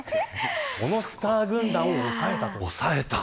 そのスター軍団を抑えました。